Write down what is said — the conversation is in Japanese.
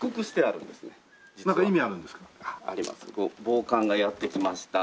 暴漢がやって来ました。